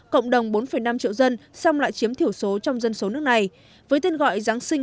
cộng đồng bốn năm triệu dân xong lại chiếm thiểu số trong dân số nước này với tên gọi giáng sinh